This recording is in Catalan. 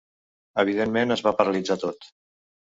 Evidentment es va paralitzar tot.